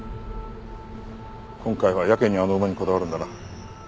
今回はやけにあの馬にこだわるんだな。